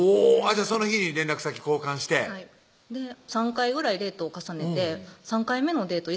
じゃあその日に連絡先交換してはい３回ぐらいデートを重ねて３回目のデート